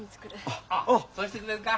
ああそうしてくれるか？